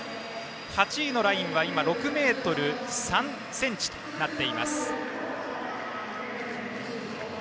８位のラインは６ｍ３ｃｍとなっています。